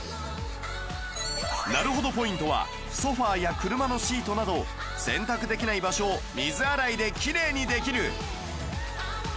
なるほどポイントはソファや車のシートなど洗濯できない場所を水洗いでキレイにできる